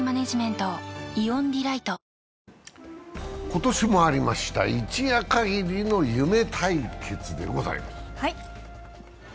今年もありました、一夜かぎりの夢対決でございます。